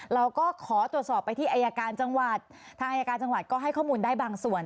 เราก็ขอตรวจสอบไปที่อายการจังหวัดทางอายการจังหวัดก็ให้ข้อมูลได้บางส่วน